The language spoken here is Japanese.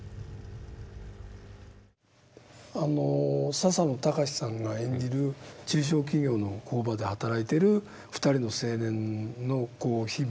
笹野高史さんが演じる中小企業の工場で働いてる二人の青年の日々。